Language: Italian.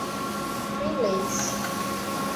Twin Lakes